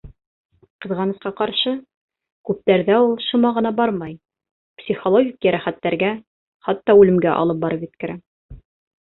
Ҡыҙғанысҡа ҡаршы, күптәрҙә ул шыма ғына бармай, психологик йәрәхәттәргә, хатта үлемгә алып барып еткерә.